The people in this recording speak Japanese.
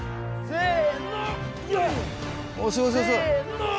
せの！